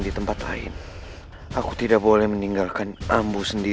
dari orang orang di sini